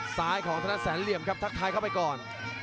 ซ้ายของธนแสนเหลี่ยมครับทักทายเข้าไปก่อน